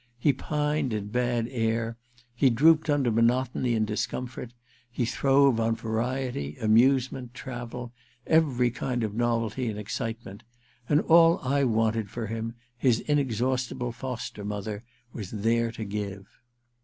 He pined in bad air ; he drooped under monotony and discomfort ; he throve on variety, amusement, travel, every kind of novelty and excitement. And all I wanted for him his inexhaustible foster mother was there to give